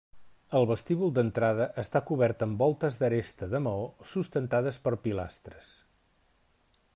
El vestíbul d'entrada està cobert amb voltes d'aresta de maó sustentades per pilastres.